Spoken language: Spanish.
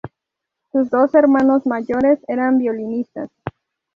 Sus dos hermanos mayores eran violinistas.